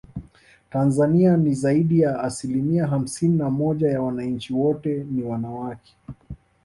Tanzania ni zaidi ya asilimia hamsini na moja ya wananchi wote ni wanawake